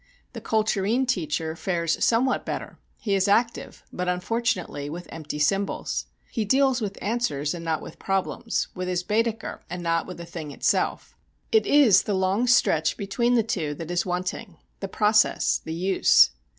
The culturine teacher fares somewhat better; he is active, but unfortunately with empty symbols. He deals with answers and not with problems, with his Bædecker and not with the thing itself. It is the long stretch between the two that is wanting the process, the use.